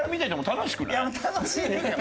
楽しいですよ。